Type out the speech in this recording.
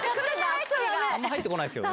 あんまり入ってこないですよね。